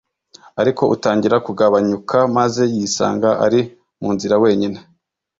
ariko utangira kugabanyuka maze yisanga ari mu nzira wenyine